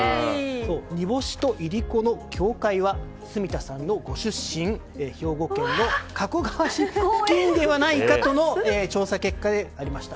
煮干しと、いりこの境界は住田さんのご出身、兵庫県の加古川市ではないかとの調査結果でありました。